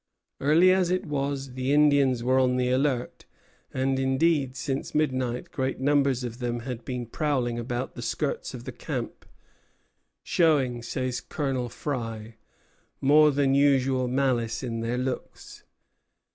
Early as it was, the Indians were on the alert; and, indeed, since midnight great numbers of them had been prowling about the skirts of the camp, showing, says Colonel Frye, "more than usual malice in their looks."